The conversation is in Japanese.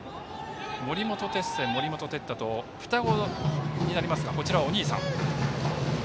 森本哲星、森本哲太と双子になりますがこちらはお兄さん。